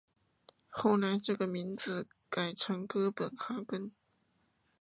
后来这个名字改成哥本哈根。